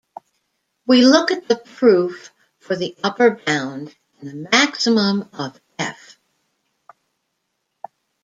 We look at the proof for the upper bound and the maximum of "f".